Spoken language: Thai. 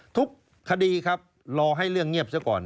ทุกคดีครับรอให้เรื่องเงียบซะก่อน